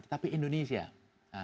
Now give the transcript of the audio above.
timur tengah tidak bisa berperan